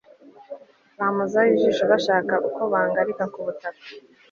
bampozaho ijisho bashaka uko bangarika ku butaka